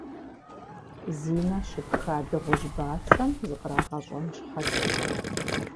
Зи нэ щыпха дыгъужь бацэм зыкърагъэщӀэн щхьэкӀэ,.